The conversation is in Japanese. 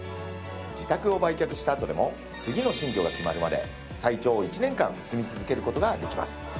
自宅を売却したあとでも次の新居が決まるまで最長１年間住み続ける事ができます。